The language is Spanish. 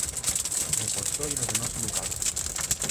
Reforzó y ordenó su ducado.